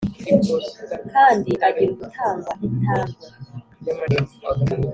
Kandi agira ubutangwa itangwe